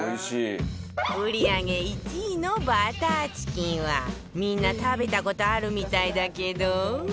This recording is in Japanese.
売り上げ１位のバターチキンはみんな食べた事あるみたいだけど